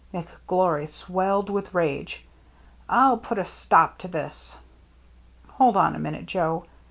McGlory swelled with rage. "I'll put a stop to this!" " Hold on a minute, Joe.